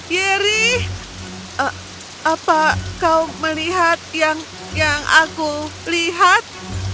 yeri apa kau melihat yang aku lihat